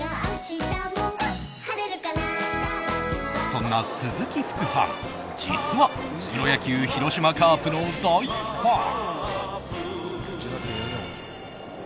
そんな鈴木福さん、実はプロ野球・広島カープの大ファン。